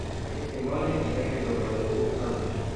احتمال دیدن دوبارهی او کم بود.